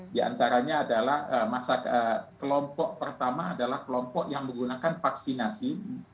di antaranya adalah kelompok pertama adalah kelompok yang menggunakan vaksinasi